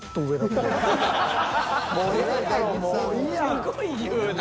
すごい言うな。